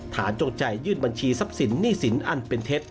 จงใจยื่นบัญชีทรัพย์สินหนี้สินอันเป็นเท็จ